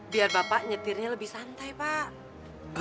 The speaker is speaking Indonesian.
biar bapak nyetirnya lebih santai pak